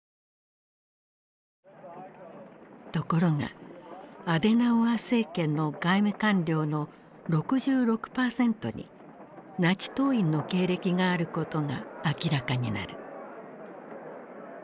ところがアデナウアー政権の外務官僚の６６％にナチ党員の経歴があることが明らかになる。